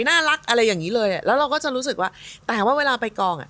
น่ารักอะไรอย่างนี้เลยอ่ะแล้วเราก็จะรู้สึกว่าแต่ว่าเวลาไปกองอ่ะ